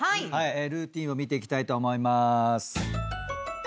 ルーティンを見ていきたいと思います。